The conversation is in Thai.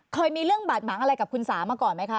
เคยมีเรื่องบาดหมางอะไรกับคุณสามาก่อนไหมคะ